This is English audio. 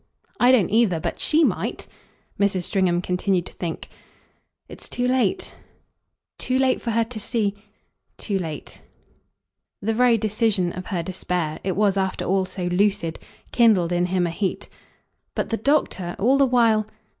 "I don't either. But SHE might." Mrs. Stringham continued to think. "It's too late." "Too late for her to see ?" "Too late." The very decision of her despair it was after all so lucid kindled in him a heat. "But the doctor, all the while